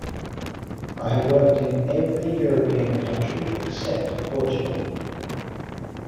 I have worked in every European country except Portugal.